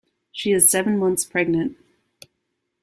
She is seven months pregnant.